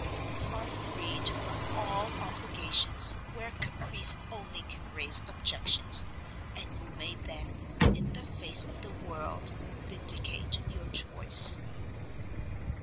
You are freed from all obligations where caprice only can raise objections, and you may then, in the face of the world, vindicate your choice."